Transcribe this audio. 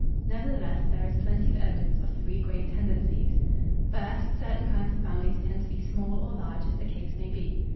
Nevertheless, there is plenty of evidence of three great tendencies. First, certain kinds of families tend to be small or large as the case may be.